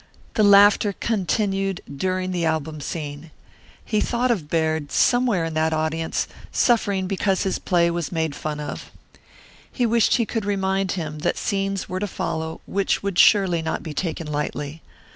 The laughter continued during the album scene. He thought of Baird, somewhere in that audience, suffering because his play was made fun of. He wished he could remind him that scenes were to follow which would surely not be taken lightly.